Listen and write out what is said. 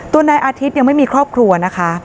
นายอาทิตย์ยังไม่มีครอบครัวนะคะ